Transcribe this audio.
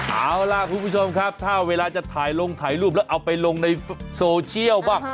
เอาล่ะคุณผู้ชมครับถ้าเวลาจะถ่ายลงถ่ายรูปแล้วเอาไปลงในโซเชียลบ้าง